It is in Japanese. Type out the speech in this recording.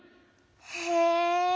へえ。